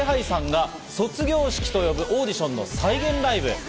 ＳＫＹ−ＨＩさんが卒業式というオーディションの再現ライブ。